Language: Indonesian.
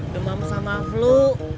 demam sama flu